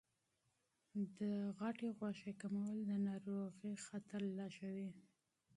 د سرې غوښې کمول د ناروغۍ خطر لږوي.